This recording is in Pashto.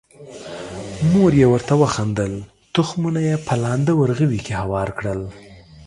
مور یې ورته وخندل، تخمونه یې په لانده ورغوي کې هوار کړل.